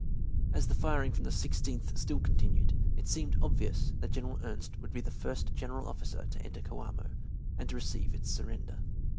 As the firing from the Sixteenth still continued, it seemed obvious that General Ernst would be the first general officer to enter Coamo, and to receive its surrender.